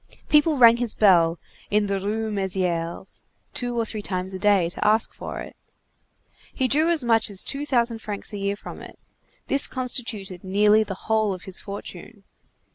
People rang his bell, in the Rue Mésières, two or three times a day, to ask for it. He drew as much as two thousand francs a year from it; this constituted nearly the whole of his fortune.